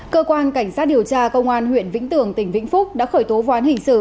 cơ quan cảnh sát điều tra công an huyện vĩnh tường tỉnh vĩnh phúc đã khởi tố ván hình sự